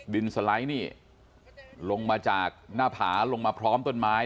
สไลด์นี่ลงมาจากหน้าผาลงมาพร้อมต้นไม้